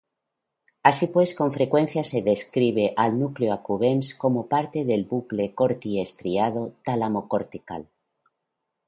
Así pues, con frecuencia se describe al núcleo accumbens como parte del bucle cortico-estriado-tálamo-cortical.